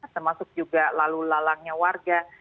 termasuk juga lalu lalangnya warga